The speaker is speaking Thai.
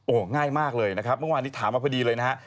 โอ้ง่ายมากเลยนะครับวันวานอันนี้ถามมาพอดีเลยนะฮะ